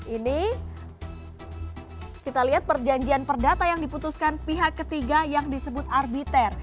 ini kita lihat perjanjian perdata yang diputuskan pihak ketiga yang disebut arbiter